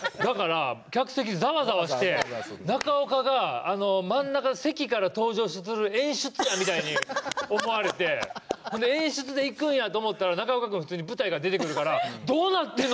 客席がざわざわして中岡が真ん中の席から登場する演出みたいに思われて演出で行くんやと思ったら中岡君が普通に舞台から出てくるからどうなってるの？